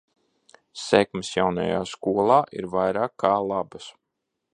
Sekmes jaunajā skolā ir vairāk kā labas.